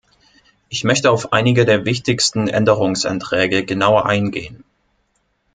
Ich möchte auf einige der wichtigsten Änderungsanträge genauer eingehen.